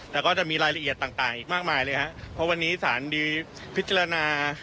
แล้วก็จะมีรายละเอียดต่างอีกมากมายเลยครับเพราะวันนี้สารดีพิจารณา